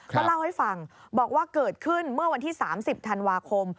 ก็เล่าให้ฟังบอกว่าเกิดขึ้นเมื่อวันที่๓๐ธันวาคม